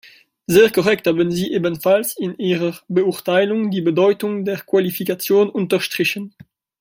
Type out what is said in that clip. Sehr korrekt haben Sie ebenfalls in Ihrer Beurteilung die Bedeutung der Qualifikation unterstrichen.